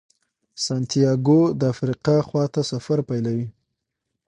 سانتیاګو د افریقا خواته سفر پیلوي.